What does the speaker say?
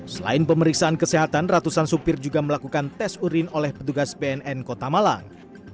selain pemeriksaan kesehatan ratusan supir juga melakukan tes urin oleh petugas bnn kota malang